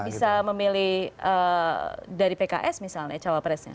bisa memilih dari pks misalnya cawapresnya